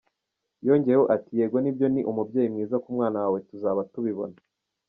Yongeyeho ati “Yego nibyo ni umubyeyi mwiza ku mwana wawe tuzaba tubibona.